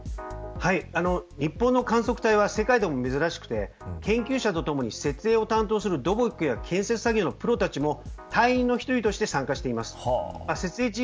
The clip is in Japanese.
日本の観測隊は世界でも珍しくて研究者とともに設営を担当する土木や建設作業のプロたちも隊員の１人として参加しています。